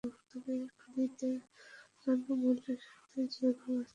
তবে খনিতে অন্যান্য মৌলের সাথে যৌগাবস্থায় সহজলভ্য।